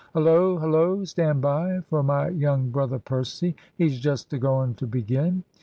Hullo, hullo! stand by for my young brother Percy! He's just a going to begin.